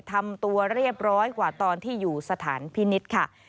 ทำตัวเรียบร้อยกว่าตอนที่อยู่สถานพินิษฐ์ค่ะ